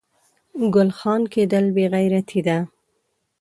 ګل خان کیدل بې غیرتي ده